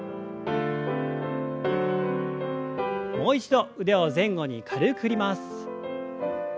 もう一度腕を前後に軽く振ります。